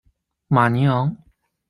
马尼昂。